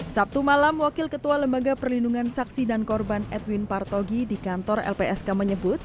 sabtu malam wakil ketua lembaga perlindungan saksi dan korban edwin partogi di kantor lpsk menyebut